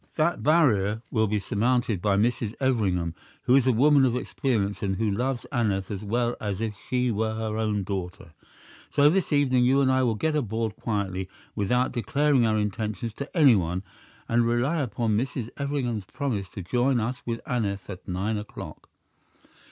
That barrier will be surmounted by Mrs. Everingham, who is a woman of experience and who loves Aneth as well as if she were her own daughter. So this evening you and I will get aboard quietly, without declaring our intentions to anyone, and rely upon Mrs. Everingham's promise to join us with Aneth at nine o'clock.